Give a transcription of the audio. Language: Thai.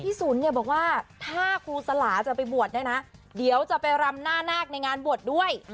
สุนเนี่ยบอกว่าถ้าครูสลาจะไปบวชเนี่ยนะเดี๋ยวจะไปรำหน้านาคในงานบวชด้วย